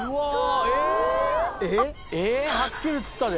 えーはっきり映ったで。